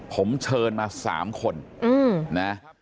ผมเชิญมา๓คนนะ